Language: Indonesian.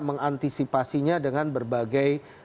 mengantisipasinya dengan berbagai